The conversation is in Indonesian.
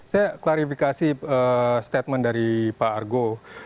saya klarifikasi statement dari pak argo